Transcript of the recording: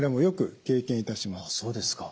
そうですか。